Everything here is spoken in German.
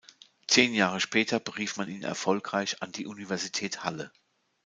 Zehn Jahre später berief man ihn erfolgreich an die Universität Halle.